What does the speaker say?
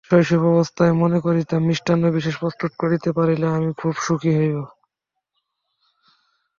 শৈশবাবস্থায় মনে করিতাম, মিষ্টান্ন-বিশেষ প্রস্তুত করিতে পারিলে আমি খুব সুখী হইব।